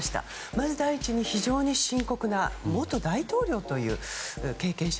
まず第一に非常に深刻な元大統領という経験者。